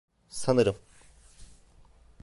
Sanırım.